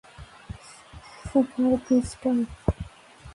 Cigar, crystal.